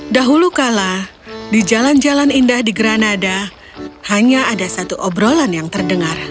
dahulu kala di jalan jalan indah di granada hanya ada satu obrolan yang terdengar